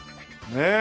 ねえ。